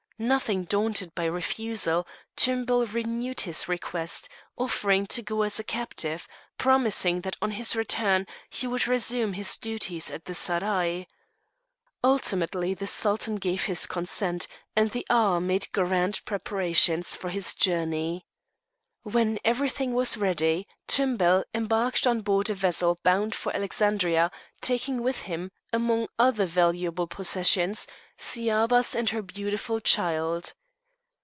Nothing daunted by refusal, Tumbel renewed his request, offering to go as a captive, promising that on his return he would resume his duties at the seraglio. Ultimately the Sultan gave his consent, and the Aga made grand preparations for his journey. When everything was ready, Tumbel embarked on board a vessel bound for Alexandria, taking with him, among other valuable possessions, Sciabas and her beautiful child.